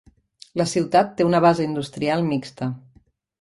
La ciutat té una base industrial mixta.